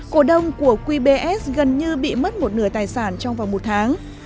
cổ đông của qbs gần như bị mất một nửa tháng